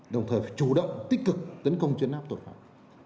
đồng thời phải chủ động tích cực tấn công chấn áp tội phạm